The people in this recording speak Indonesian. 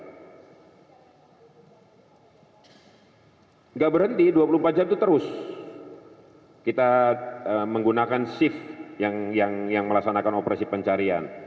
tidak berhenti dua puluh empat jam itu terus kita menggunakan shift yang melaksanakan operasi pencarian